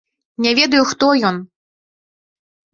Не ведаю, хто ён.